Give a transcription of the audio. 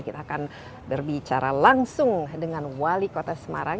kita akan berbicara langsung dengan wali kota semarang